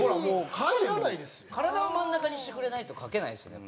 体を真ん中にしてくれないと描けないですね。